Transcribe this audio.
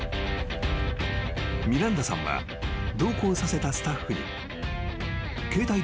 ［ミランダさんは同行させたスタッフに］